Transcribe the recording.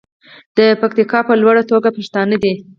د پکتیکا په لوړه توګه پښتانه دي.